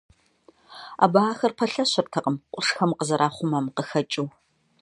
Абы ахэр пэлъэщыртэкъым къуршхэм къызэрахъумэм къыхэкӀыу.